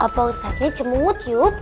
pak ustadznya cemut yuk